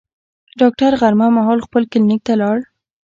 ډاکټر غرمه مهال خپل کلینیک ته لاړ.